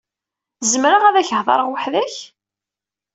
Zemreɣ ad ak-heḍṛeɣ weḥd-k?